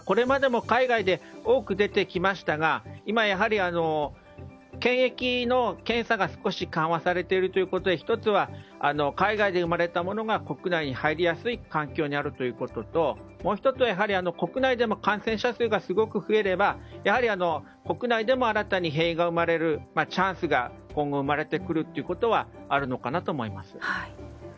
海外でも多く出てきていましたが今やはり検疫の検査が少し緩和されているということで１つは海外で生まれたものが国内に入りやすい環境にあるということと国内でも感染者数が増えれば国内でも新たに変異が生まれるチャンスが今後生まれてくるということはあるのかなと思います。